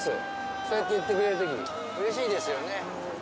そうやって言ってくれるとき、うれしいですよね。